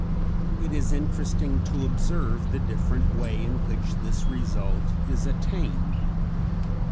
It is interesting to observe the different way in which this result is attained.